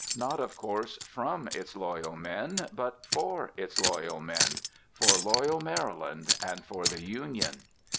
Not, of course, from its loyal men, but for its loyal men, for loyal Maryland, and for the Union.